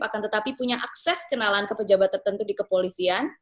akan tetapi punya akses kenalan ke pejabat tertentu di kepolisian